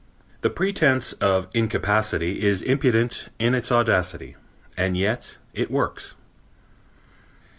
The pretense of incapacity is impudent in its audacity, and yet it works.